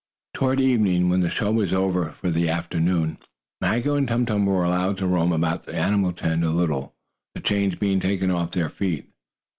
Toward evening, when the show was over for the afternoon, Maggo and Tum Tum were allowed to roam about the animal tent a little, the chains being taken off their feet.